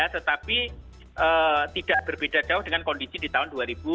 tetapi tidak berbeda jauh dengan kondisi di tahun dua ribu dua puluh